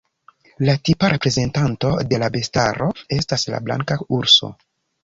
La tipa reprezentanto de la bestaro estas la blanka urso.